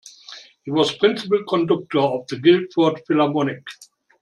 He was principal conductor of the Guildford Philharmonic.